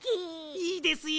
いいですよ。